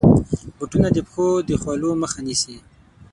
بوټونه د پښو د خولو مخه نیسي.